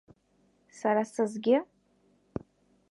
Сара сызгьы?